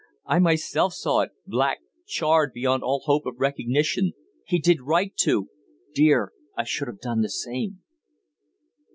... I myself saw it, black, charred beyond all hope of recognition ... he did right to ... dear, I should have done the same...."